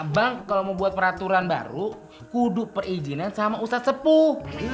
bang kalau mau buat peraturan baru kuduk perizinan sama ustadz sepuh